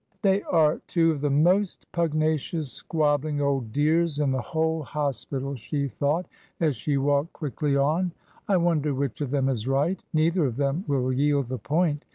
"They are two of the most pugnacious, squabbling old dears in the whole hospital," she thought, as she walked quickly on. "I wonder which of them is right? Neither of them will yield the point."